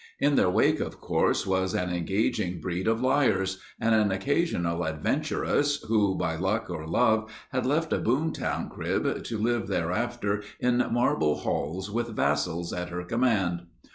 In their wake, of course, was an engaging breed of liars, and an occasional adventuress who by luck or love had left a boom town crib to live thereafter "in marble halls with vassals" at her command.